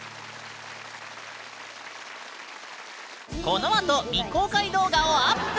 このあと未公開動画をアップ！